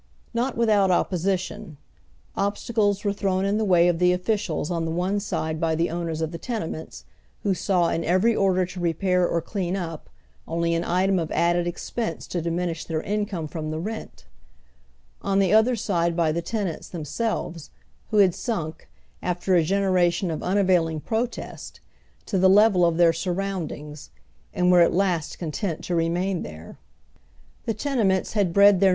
Not witliout opposition ; obstacles were thrown in the way of tlie officials on the one side by the owners of the tenements, who saw in every order to repair or clean up only an item of added expense to diminish their income from the rent; on the other side by the tenants themselves, who had sunk, after a generation of unavailing protest, to the level of then siirroimdines, and were at last content to remain there. oy Google 16 now THE OTHER HALF I.IVES. Tlie tenemeiitB had bred their ]!